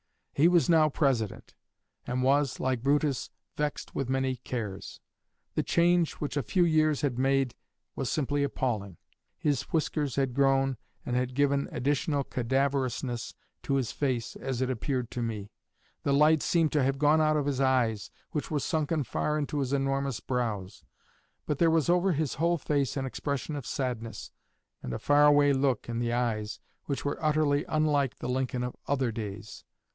He was now President, and was, like Brutus, 'vexed with many cares.' The change which a few years had made was simply appalling. His whiskers had grown and had given additional cadaverousness to his face as it appeared to me. The light seemed to have gone out of his eyes, which were sunken far under his enormous brows. But there was over his whole face an expression of sadness, and a far away look in the eyes, which were utterly unlike the Lincoln of other days.